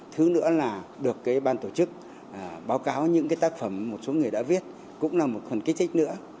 thứ nữa là được ban tổ chức báo cáo những tác phẩm một số người đã viết cũng là một phần kích thích nữa